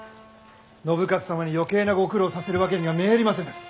信雄様に余計なご苦労をさせるわけにはめえりませぬ。